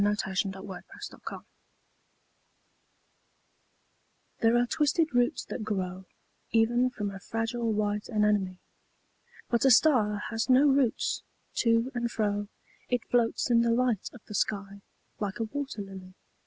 DiqllzodbvCoOgle STAR SONG These are twisted roots that grow Even from a fragile white anemone. 'But a star has no roots : to and fro It floats in the light of the sky, like a wat«r ]ily.